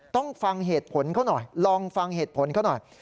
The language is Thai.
ต้องฟังเหตุผลเขาหน่อยลองฟังเหตุผลเขาหน่อย